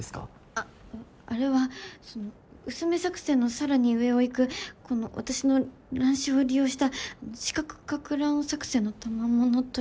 あっあれはその薄目作戦のさらに上をいくこの私の乱視を利用した視覚かく乱作戦のたまものというか。